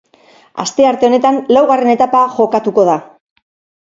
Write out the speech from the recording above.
Astearte honetan laugarren etapa jokatuko da.